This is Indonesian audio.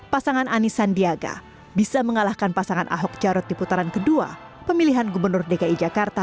pasangan anies sandiaga bisa mengalahkan pasangan ahok jarod di putaran kedua pemilihan gubernur dki jakarta dua ribu tujuh belas